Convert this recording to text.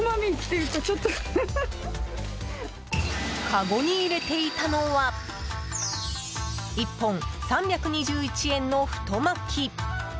かごに入れていたのは１本３２１円の太巻き。